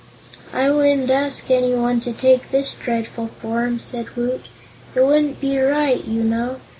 "I wouldn't ask anyone to take this dreadful form," said Woot; "it wouldn't be right, you know.